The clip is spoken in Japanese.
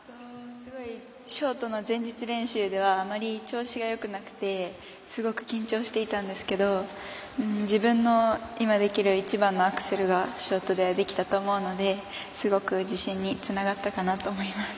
ショートの前日練習ではあまり調子がよくなくてすごく緊張していたんですけど自分の今できる一番のアクセルがショートではできたと思うのですごく自信につながったかなと思います。